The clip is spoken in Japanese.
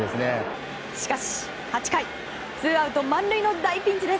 しかし８回ツーアウト満塁の大ピンチです。